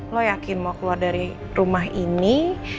lo yakin mau keluar dari rumah ini